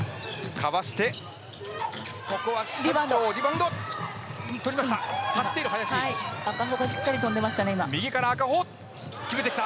かわしてここはリバウンド、取りました。